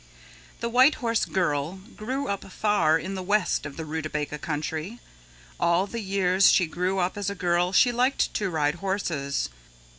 The White Horse Girl grew up far in the west of the Rootabaga Country. All the years she grew up as a girl she liked to ride horses.